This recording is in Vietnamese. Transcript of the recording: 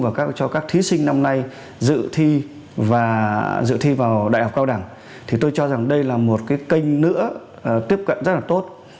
và cho các thí sinh năm nay dự thi vào đại học cao đẳng thì tôi cho rằng đây là một cái kênh nữa tiếp cận rất là tốt